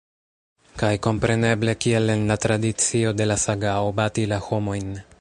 Kaj kompreneble, kiel en la tradicio de la sagao, bati la homojn.